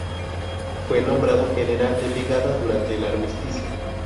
Fue nombrado general de brigada durante el armisticio.